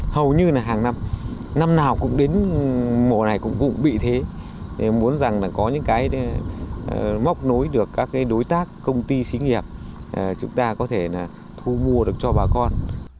hầu như là hàng năm năm nào cũng đến mổ này cũng bị thế muốn rằng là có những cái móc nối được các đối tác công ty xí nghiệp chúng ta có thể là thu mua được cho bà con